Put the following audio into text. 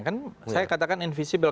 kan saya katakan invisible